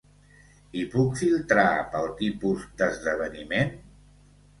I puc filtrar pel tipus d'esdeveniment?